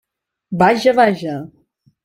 Vaja, vaja!